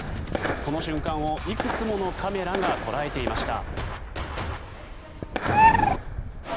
その瞬間をいくつものカメラが捉えていました。